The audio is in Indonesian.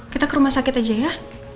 kita ke rumah sakit aja ya